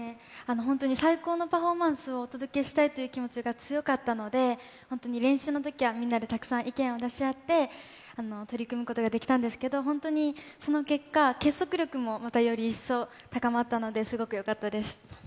本当に最高のパフォーマンスをお届けしたいという気持ちが強かったので、本当に練習のときはみんなでたくさん意見を出し合って取り組むことができたんですけど、その結果、結束力もより一層高まったのですごくよかったです。